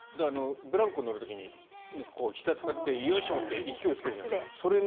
ブランコ乗る時にひざを使ってよいしょって勢いをつけるじゃないですか。